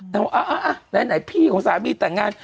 แต่ว่าไหนพี่ของสามีแต่งงาน